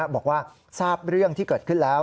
บอกว่าทราบเรื่องที่เกิดขึ้นแล้ว